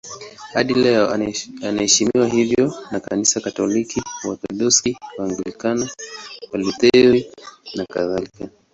Hadi leo anaheshimiwa hivyo na Kanisa Katoliki, Waorthodoksi, Waanglikana, Walutheri nakadhalika.